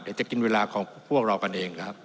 เดี๋ยวจะกินเวลาของพวกเรากันเองครับ